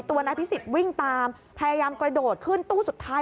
นายพิสิทธิ์วิ่งตามพยายามกระโดดขึ้นตู้สุดท้าย